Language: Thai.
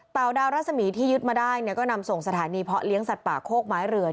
ดาวรัศมีที่ยึดมาได้เนี่ยก็นำส่งสถานีเพาะเลี้ยงสัตว์ป่าโคกไม้เรือ